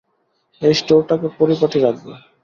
এই স্টোরটাকে পরিপাটি রাখবে।